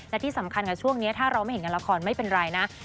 และที่สำคัญค่ะช่วงนี้ถ้าเราไม่เห็นงานละครไม่เป็นไรนะ